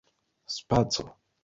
spaco